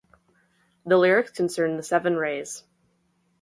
The lyrics concern the seven rays.